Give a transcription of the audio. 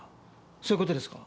そういう事ですか？